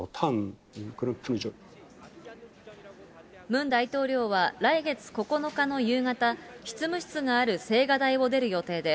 ムン大統領は、来月９日の夕方、執務室がある青瓦台を出る予定で、